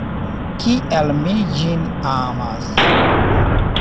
Kiel mi ĝin amas!